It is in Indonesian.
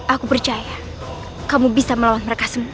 aku percaya kamu bisa melawan mereka semua